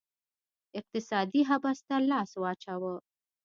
اقتصادي حبس ته لاس واچاوه